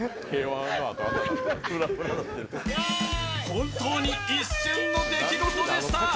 本当に一瞬の出来事でした。